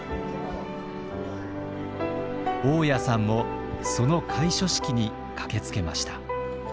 雄谷さんもその開所式に駆けつけました。